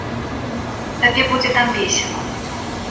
Табе будзе там весела.